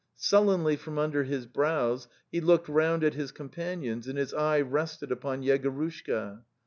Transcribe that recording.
Sullenly from under his brows he looked round at his companions and his eye rested upon Yegorushka.